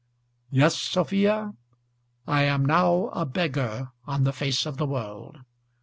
Yes, Sophia, I am now a beggar on the face of the world.